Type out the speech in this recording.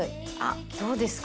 どうですか？